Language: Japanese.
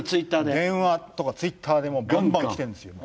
電話とかツイッターでバンバン来てるんですよ。